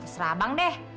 serah bang deh